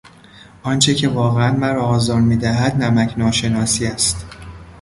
آنچه که واقعا مرا آزار میدهد نمکناشناسی است.